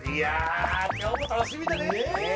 今日も楽しみだね。